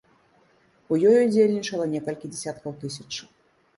У ёй удзельнічала некалькі дзясяткаў тысяч.